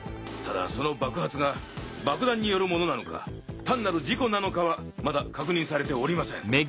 ただその爆発が爆弾によるものなのか単なる事故なのかはまだ確認されておりません。